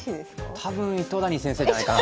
多分糸谷先生じゃないかな。